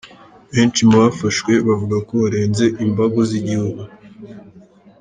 Benshi mu bafashwe bavuga ko barenze imbago z’igihugu .